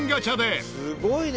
すごいね！